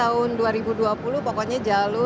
buat masalah lalu